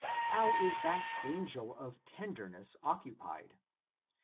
How is that angel of tenderness occupied